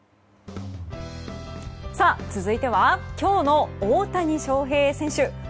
続いては今日の大谷翔平選手。